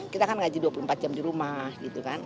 kita kan ngaji dua puluh empat jam di rumah gitu kan